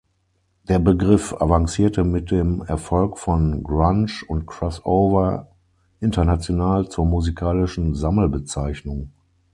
Der Begriff avancierte mit dem Erfolg von Grunge und Crossover international zur musikalischen Sammelbezeichnung.